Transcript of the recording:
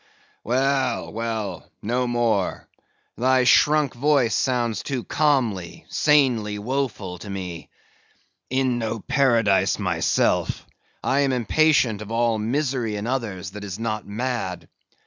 "Well, well; no more. Thy shrunk voice sounds too calmly, sanely woeful to me. In no Paradise myself, I am impatient of all misery in others that is not mad.